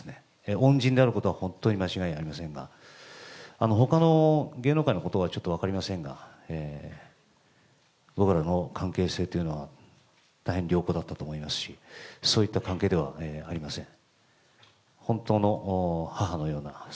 恩人であることは本当に間違いありませんが、ほかの芸能界のことはちょっと分かりませんが、僕らの関係性というのは、大変良好だったと思いますし、そういった関係ではありません。